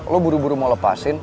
lo buru buru mau lepasin